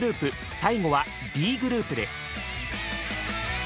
最後はＤグループです。